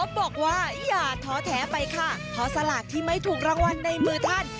บอกว่าอย่าท้อแท้ไปค่ะเพราะสลากที่ไม่ถูกรางวัลในมือท่าน